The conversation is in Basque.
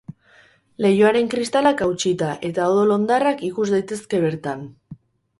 Leihoaren kristalak hautsita eta odol hondarrak ikus daitezke bertan.